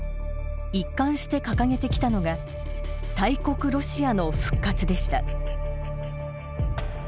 一貫して掲げてきたのが大国ロシアの復活でした。